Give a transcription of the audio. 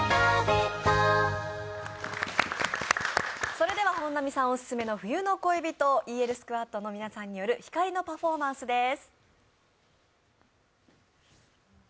それでは本並さんオススメの冬の恋人、ＥＬＳＱＵＡＤの皆さんによる光のパフォーマンスです。